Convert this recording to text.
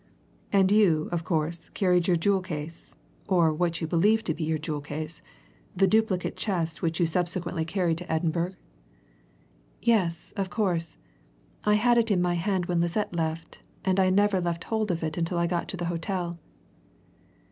"And you, of course, carried your jewel case or what you believed to be your jewel case the duplicate chest which you subsequently carried to Edinburgh?" "Yes, of course I had it in my hand when Lisette left, and, I never left hold of it until I got into the hotel."